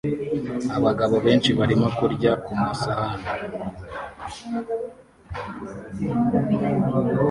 Abagabo benshi barimo kurya ku masahani